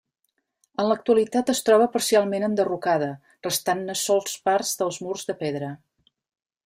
En l'actualitat es troba parcialment enderrocada, restant-ne sols parts dels murs de pedra.